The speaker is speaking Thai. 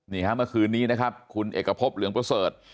เมื่อคืนนี้นะครับคุณเอกพบเหลืองประเสริฐ